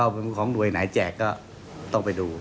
เมื่อของใดแจกก็ต้องไปดู